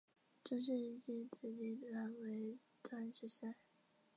中世纪此地名为锻冶山。